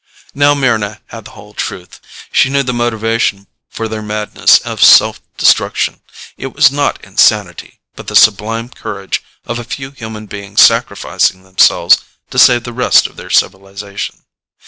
Now Mryna had the whole truth. She knew the motivation for their madness of self destruction. It was not insanity, but the sublime courage of a few human beings sacrificing themselves to save the rest of their civilization.